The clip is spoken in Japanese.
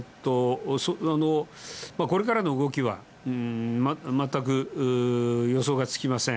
これからの動きは、全く予想がつきません。